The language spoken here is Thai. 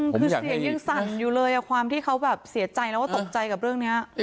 คือเสียงยังสั่นอยู่เลยความที่เขาแบบเสียใจแล้วก็ตกใจกับเรื่องนี้